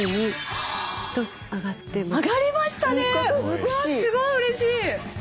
わあすごいうれしい！